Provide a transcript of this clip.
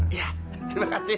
iya terima kasih